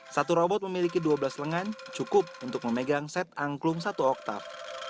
satu robot memiliki dua belas lengan cukup untuk memegang set angklung satu oktap